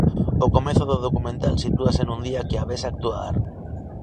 O comezo do documental sitúase nun día que a ves actuar.